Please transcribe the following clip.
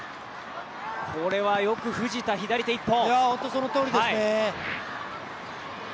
これはよく藤田、左手一本。